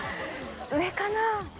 上かな？